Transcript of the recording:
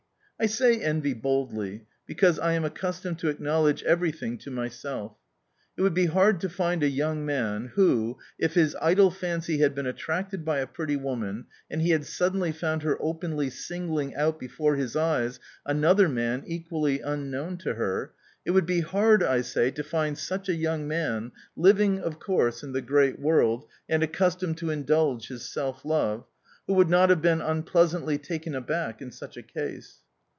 I say "envy" boldly, because I am accustomed to acknowledge everything to myself. It would be hard to find a young man who, if his idle fancy had been attracted by a pretty woman and he had suddenly found her openly singling out before his eyes another man equally unknown to her it would be hard, I say, to find such a young man (living, of course, in the great world and accustomed to indulge his self love) who would not have been unpleasantly taken aback in such a case.